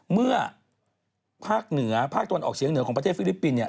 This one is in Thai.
เมื่อภาคตัวนออกเฉียงที่เหนือของประเทศฟิลิปปินส์